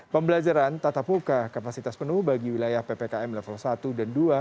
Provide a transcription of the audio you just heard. pembelajaran tatap muka kapasitas penuh bagi wilayah ppkm level satu dan dua